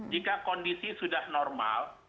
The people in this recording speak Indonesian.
jika kondisi sudah normal